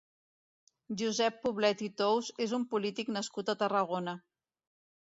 Josep Poblet i Tous és un polític nascut a Tarragona.